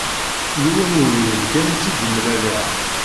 Yiwen webrid kan i tt-id mlaleɣ.